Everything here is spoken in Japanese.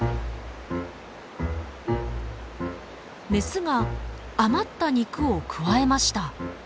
メスが余った肉をくわえました。